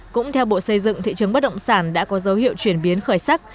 cũng theo bộ xây dựng thị trường bất động sản đã có dấu hiệu chuyển biến khởi sắc